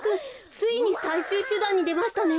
ついにさいしゅうしゅだんにでましたね。